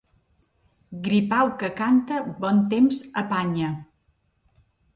Gripau que canta bon temps apanya.